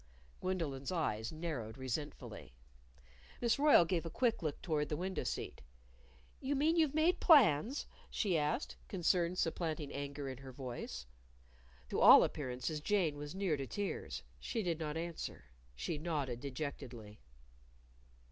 Gwendolyn's eyes narrowed resentfully. Miss Royle gave a quick look toward the window seat. "You mean you've made plans?" she asked, concern supplanting anger in her voice. To all appearances Jane was near to tears. She did not answer. She nodded dejectedly.